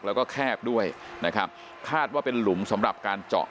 แล้วก็แคบด้วยนะครับคาดว่าเป็นหลุมสำหรับการเจาะ